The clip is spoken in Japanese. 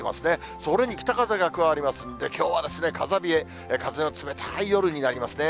それに北風が加わりますので、きょうは風冷え、風の冷たい夜になりますね。